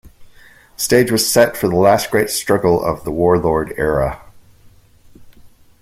The stage was set for the last great struggle of the Warlord Era.